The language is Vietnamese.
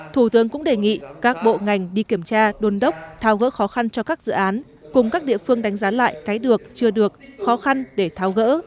thủ tướng cũng đề nghị các bộ ngành đi kiểm tra đôn đốc tháo gỡ khó khăn cho các dự án cùng các địa phương đánh giá lại cái được chưa được khó khăn để tháo gỡ